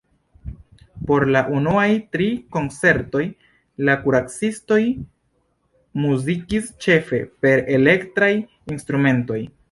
Por la unuaj tri koncertoj, la Kuracistoj muzikis ĉefe per elektraj instrumentoj.